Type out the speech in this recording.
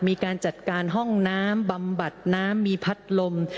มีการจัดการห้องน้ำบำบัดน้ำมีพัดลม